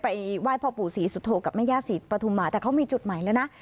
ไหว้พ่อปู่ศรีสุโธกับแม่ย่าศรีปฐุมมาแต่เขามีจุดใหม่แล้วนะ